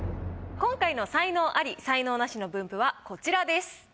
今回の才能アリ・才能ナシの分布はこちらです。